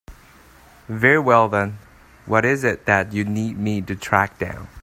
Very well then, what is it that you need me to track down?